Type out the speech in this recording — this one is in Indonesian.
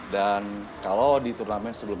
dan kalau di turnamen sebelum